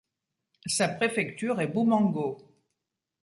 Sa préfecture est Boumango.